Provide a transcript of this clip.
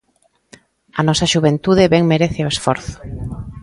A nosa xuventude ben merece o esforzo.